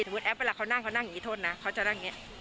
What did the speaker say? แอปเวลาเขานั่งเขานั่งอย่างนี้โทษนะเขาจะนั่งอย่างนี้